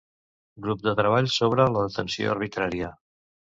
Grup de Treball sobre la Detenció Arbitrària.